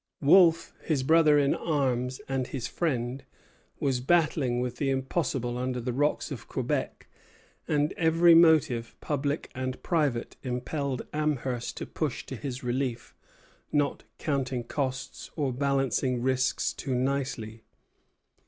Wolfe, his brother in arms and his friend, was battling with the impossible under the rocks of Quebec, and every motive, public and private, impelled Amherst to push to his relief, not counting costs, or balancing risks too nicely.